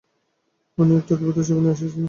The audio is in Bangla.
উনি একটা অদ্ভুত ছবি নিয়ে এসেছিলেন।